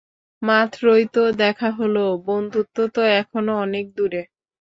মাত্রই তো দেখা হলো বন্ধুত্ব তো এখনো অনেক দূরে।